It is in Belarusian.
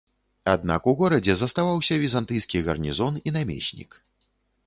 Аднак у горадзе заставаўся візантыйскі гарнізон і намеснік.